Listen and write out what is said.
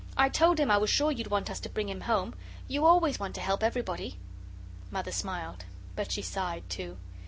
I told him I was sure you'd want us to bring him home. You always want to help everybody." Mother smiled, but she sighed, too.